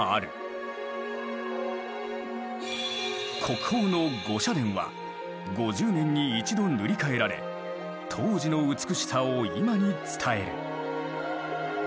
国宝の御社殿は５０年に１度塗り替えられ当時の美しさを今に伝える。